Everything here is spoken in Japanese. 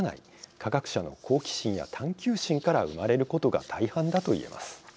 科学者の好奇心や探究心から生まれることが大半だと言えます。